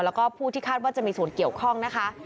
แล้วก็ผู้ที่คาดว่าจะมีส่วนเกี่ยวข้องนะคะ